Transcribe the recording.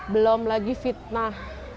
belum lagi fitnah